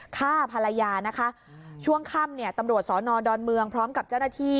ฆ่าภรรยานะคะช่วงค่ำเนี่ยตำรวจสอนอดอนเมืองพร้อมกับเจ้าหน้าที่